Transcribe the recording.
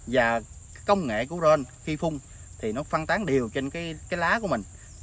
và công nghệ của ron khi phun thì nó phân tán đều trên cái lá của mình